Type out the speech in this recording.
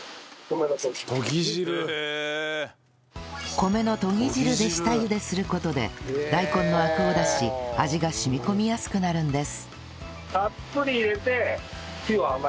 米のとぎ汁で下ゆでする事で大根のアクを出し味が染み込みやすくなるんです